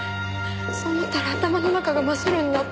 そう思ったら頭の中が真っ白になって。